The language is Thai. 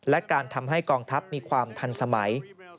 และการทำให้กองทัพมีความทันสมัย